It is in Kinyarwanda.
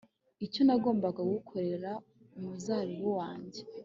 icyo nagombaga gukorera umuzabibu wanjye